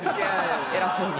偉そうに。